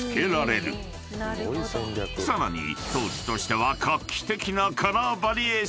［さらに当時としては画期的な］